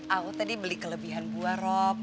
aku tadi beli kelebihan buah rob